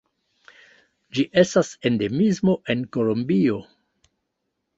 Ĝi estas endemismo en Kolombio.